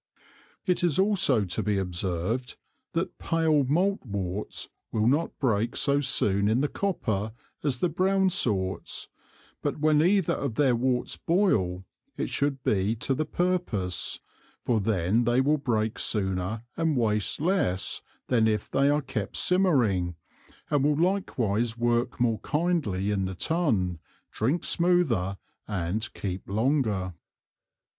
It is also to be observed, that pale Malt Worts will not break so soon in the Copper, as the brown Sorts, but when either of their Worts boil, it should be to the purpose, for then they will break sooner and waste less than if they are kept Simmering, and will likewise work more kindly in the Tun, drink smoother, and keep longer.